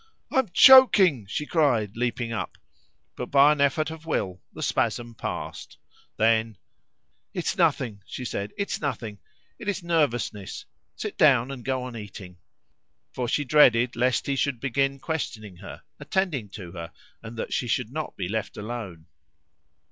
"I am choking," she cried, leaping up. But by an effort of will the spasm passed; then "It is nothing," she said, "it is nothing! It is nervousness. Sit down and go on eating." For she dreaded lest he should begin questioning her, attending to her, that she should not be left alone.